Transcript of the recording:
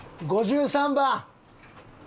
５３番。